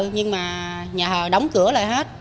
nhưng mà nhà thờ đóng cửa lại hết